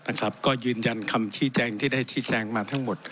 ก็ยืนยันคำชี้แจงที่ได้ชี้แจงมาทั้งหมด